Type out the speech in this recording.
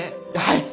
はい！